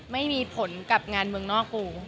ไม่มีผลกับงานเมืองนอกกู